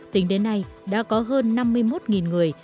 tính đến nay đã có hơn năm mươi một người